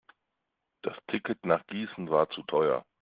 Das Ticket nach Gießen war zu teuer